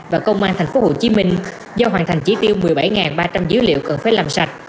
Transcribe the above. và công an thành phố hồ chí minh do hoàn thành chỉ tiêu một mươi bảy ba trăm linh dữ liệu cần phải làm sạch